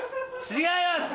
違います！